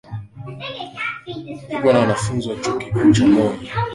Niko na wanafunzi wa chuo kikuu cha Moi